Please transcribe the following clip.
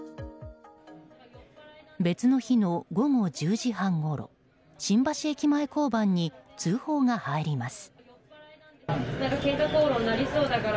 別の日の午後１０時半ごろ新橋駅前交番に通報が入ります。